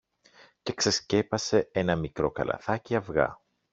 και ξεσκέπασε ένα μικρό καλαθάκι αυγά.